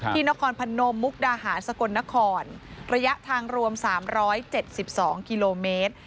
นครพนมมุกดาหารสกลนครระยะทางรวม๓๗๒กิโลเมตร